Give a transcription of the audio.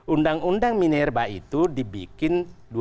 undang undang minerba itu dibikin dua ribu sembilan